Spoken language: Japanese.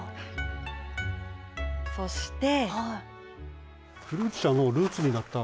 そして。